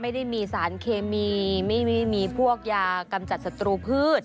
ไม่ได้มีสารเคมีไม่มีพวกยากำจัดศัตรูพืช